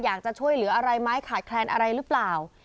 อยากจะช่วยเหลืออะไรไหมขาดแคลนอะไรหรือเปล่า